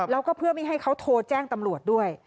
แล้วก็เพื่อไม่ให้เขาโทรแจ้งตำรวจด้วย